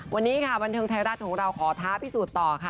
วันนี้ค่ะบันเทิงไทยรัฐของเราขอท้าพิสูจน์ต่อค่ะ